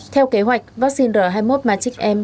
theo kế hoạch vaccine r hai mươi một matrix m